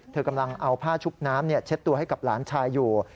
กำลังเอาผ้าชุบน้ำเช็ดตัวให้กับหลานชายอยู่